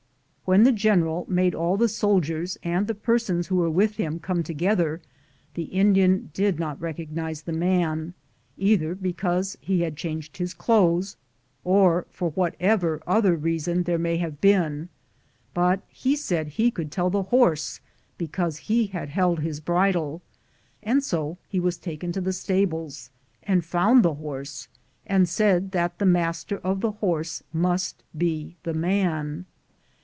When the general made all the soldiers and the persons who were with him come together, the Indian did not recognize the man, either because he had changed his clothes or for whatever other reason there may have been, bat he said that he could tell the horse, be cause he had held his bridle, and so be was taken to the stablee, and found the horse, and said that the master of the horse must be the man.